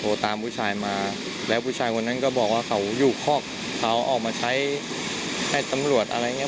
ตามผู้ชายมาแล้วผู้ชายคนนั้นก็บอกว่าเขาอยู่คอกเขาออกมาใช้ให้ตำรวจอะไรอย่างนี้